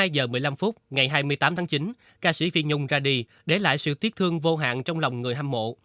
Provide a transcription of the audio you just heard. một mươi hai giờ một mươi năm phút ngày hai mươi tám tháng chín ca sĩ phiền nhùng ra đi để lại sự tiếc thương vô hạn trong lòng người hâm mộ